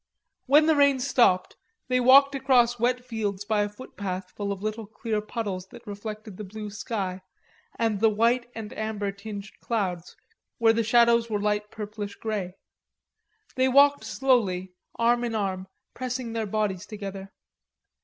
When the rain stopped they walked across wet fields by a foot path full of little clear puddles that reflected the blue sky and the white and amber tinged clouds where the shadows were light purplish grey. They walked slowly arm in arm, pressing their bodies together.